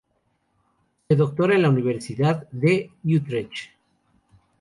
Se doctora en la Universidad de Utrecht.